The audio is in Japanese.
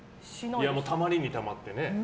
たまりにたまってね。